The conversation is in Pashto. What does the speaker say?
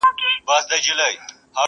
چي هر چا ویل احسان د ذوالجلال و,